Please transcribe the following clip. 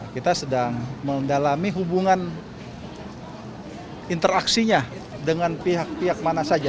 kita sedang mendalami hubungan interaksinya dengan pihak pihak mana saja